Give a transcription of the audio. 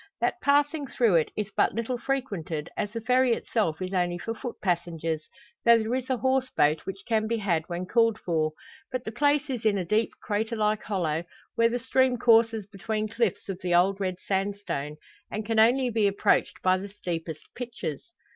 That passing through it is but little frequented, as the ferry itself is only for foot passengers, though there is a horse boat which can be had when called for. But the place is in a deep crater like hollow, where the stream courses between cliffs of the old red sandstone, and can only be approached by the steepest "pitches."